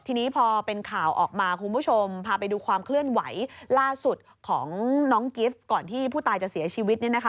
ทีนี้พอเป็นข่าวออกมาคุณผู้ชมพาไปดูความเคลื่อนไหวล่าสุดของน้องกิฟต์ก่อนที่ผู้ตายจะเสียชีวิตเนี่ยนะคะ